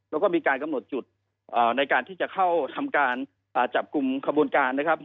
แล้วก็มีการกำหนดจุดในการที่จะเข้าทำการจับกลุ่มขบวนการนะครับ